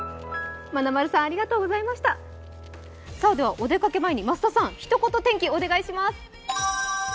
お出かけ前にひと言天気お願いします。